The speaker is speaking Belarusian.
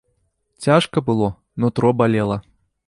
Цяжка было, нутро балела.